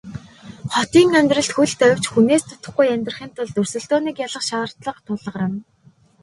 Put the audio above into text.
Хотын амьдралд хөл тавьж хүнээс дутахгүй амьдрахын тулд өрсөлдөөнийг ялах шаардлага тулгарна.